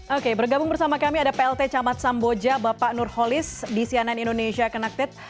oke bergabung bersama kami ada plt camat samboja bapak nurholis di cnn indonesia connected